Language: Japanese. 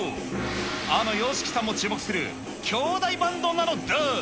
あのＹＯＳＨＩＫＩさんも注目する兄妹バンドなのだ。